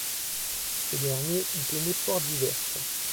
Ce dernier y tenait portes ouvertes.